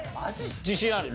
自信ある？